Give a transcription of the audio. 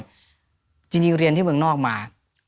จริงเรียนที่เมืองนอกมา